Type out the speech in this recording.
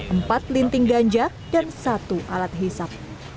empat linting ganja dan satu alat hisap